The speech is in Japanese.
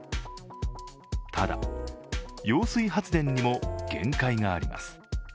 ただ、揚水発電にも限界があります